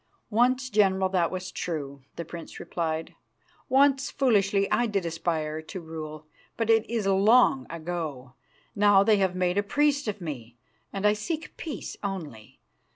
"Once, General, that was true," the prince replied. "Once, foolishly, I did aspire to rule; but it is long ago. Now they have made a priest of me, and I seek peace only.